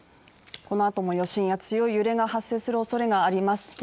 このあとも余震や強い揺れが発生するおそれがあります。